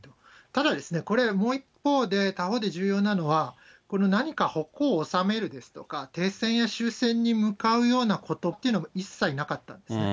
ただですね、これもう一方で、他方で重要なのは、この何か矛を収めるですとか、停戦や終戦に向かうようなことばっていうのは一切なかったんですね。